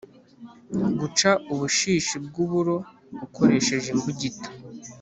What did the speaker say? guca ubushishi bw’uburo ukoresheje imbugita